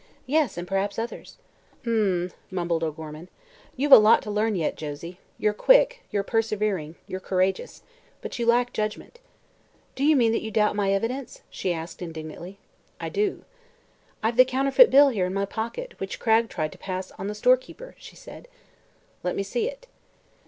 "Yes; and perhaps others." "M m m," mumbled O'Gorman, "you've a lot to learn yet, Josie. You're quick; you're persevering; you're courageous. But you lack judgment." "Do you mean that you doubt my evidence?" she asked indignantly. "I do." "I've the counterfeit bill here in my pocket, which Cragg tried to pass on the storekeeper," she said. "Let me see it."